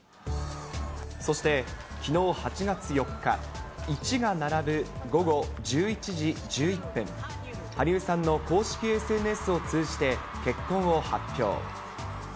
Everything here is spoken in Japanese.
そして、きのう８月４日、１が並ぶ午後１１時１１分、羽生さんの公式ＳＮＳを通じて、結婚を発表。